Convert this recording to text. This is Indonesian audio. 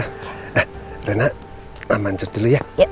eh rena aman ses dulu ya